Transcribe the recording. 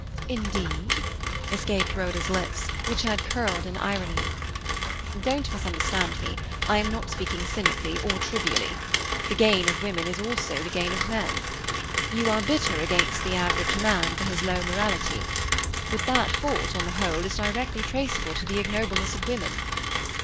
"Indeed?" escaped Rhoda's lips, which had curled in irony. "Don't misunderstand me. I am not speaking cynically or trivially. The gain of women is also the gain of men. You are bitter against the average man for his low morality; but that fault, on the whole, is directly traceable to the ignobleness of women.